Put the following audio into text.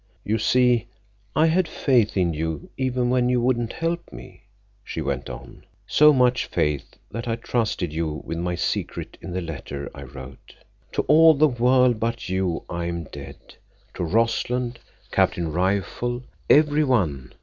"You see, I had faith in you even when you wouldn't help me," she went on. "So much faith that I trusted you with my secret in the letter I wrote. To all the world but you I am dead—to Rossland, Captain Rifle, everyone.